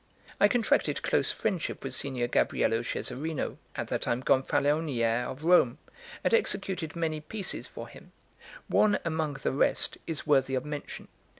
I contracted close friendship with Signor Gabbriello Ceserino, at that time Gonfalonier of Rome, and executed many pieces for him. One, among the rest, is worthy of mention.